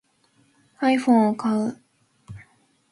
iPhone を買う